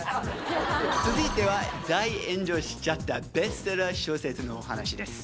続いては、大炎上しちゃったベストセラー小説のお話です。